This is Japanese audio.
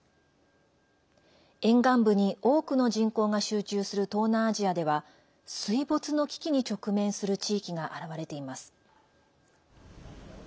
沿岸部に多くの人口が集中する東南アジアでは水没の危機に直面する地域が現れています。